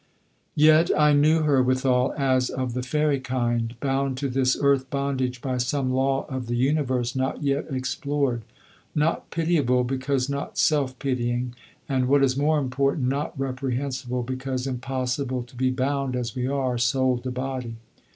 Yet I knew her, withal, as of the fairy kind, bound to this earth bondage by some law of the Universe not yet explored; not pitiable because not self pitying, and (what is more important) not reprehensible because impossible to be bound, as we are, soul to body.